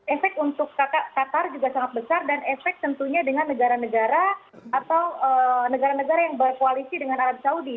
efek untuk qatar juga sangat besar dan efek tentunya dengan negara negara atau negara negara yang berkoalisi dengan arab saudi